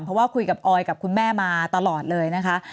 เพราะว่าคุยกับออยกับคุณแม่มาตลอดเลยนะคะ